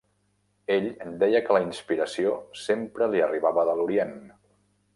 Ell deia que la inspiració sempre li arribava de l’orient.